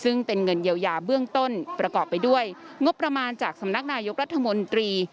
ซึ่งเป็นเงินเยียวยาเบื้องต้นประกอบไปด้วยซำนักนายยกรัฐมนตรี